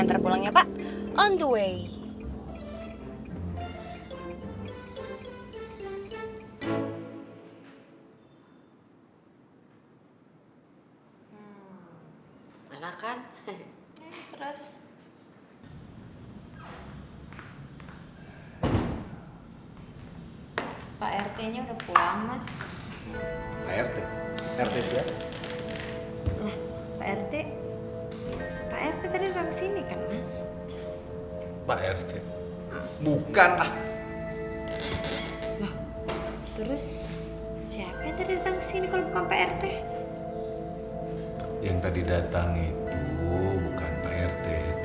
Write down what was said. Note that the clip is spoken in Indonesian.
itu yang datang gurunya reva bukan pak rt